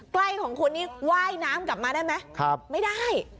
ใกล้ของคุณนี่ว่ายน้ำกลับมาได้ไหมไม่ได้